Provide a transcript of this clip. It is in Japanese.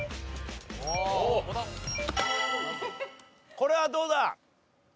これはどうだ？